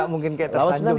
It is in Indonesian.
nggak mungkin kayak tersanjung